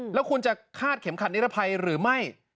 แล้วคุณจะคาดเข็มขัดนิรภัยหรือไม่